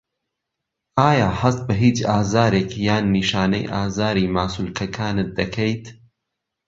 ئایا هەست بە هیچ ئازارێک یان نیشانەی ئازاری ماسوولکەکانت دەکەیت؟